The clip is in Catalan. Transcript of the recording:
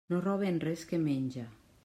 No roben res que menja.